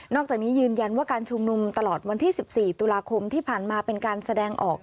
จากนี้ยืนยันว่าการชุมนุมตลอดวันที่๑๔ตุลาคมที่ผ่านมาเป็นการแสดงออก